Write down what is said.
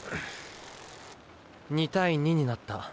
「２対２」になった。